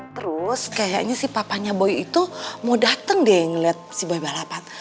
terus kayaknya si papanya boy itu mau datang deh ngeliat si boya balapan